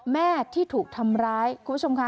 แม่ที่ถูกทำร้ายคุณผู้ชมค่ะ